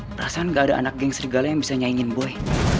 perasaan gak ada anak geng serigala yang bisa nyanyiin boy